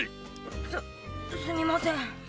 すすみません。